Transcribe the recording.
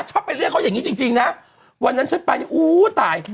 ชอบไปเรียกเขาอย่างนี้จริงนะวันนั้นฉันไปนี่อู้ตาย